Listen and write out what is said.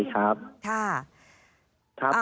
ครับทราบทราบครับ